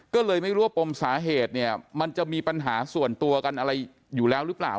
ก็เลยไม่รู้ว่าปมสาเหตุเนี่ยมันจะมีปัญหาส่วนตัวกันอะไรอยู่แล้วหรือเปล่า